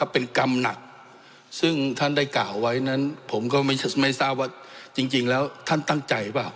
เป็นกรรมหนักซึ่งท่านได้กล่าวไว้นั้นผมก็ไม่ทราบว่าจริงแล้วท่านตั้งใจเปล่า